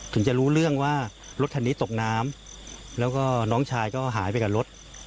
ถึงจะรู้เรื่องว่ารถคันนี้ตกน้ำแล้วก็น้องชายก็หายไปกับรถ